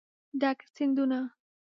ډک سیندونه